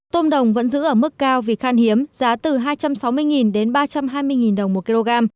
tôm đồng vẫn giữ ở mức cao vì khan hiếm giá từ hai trăm sáu mươi đến ba trăm hai mươi đồng một kg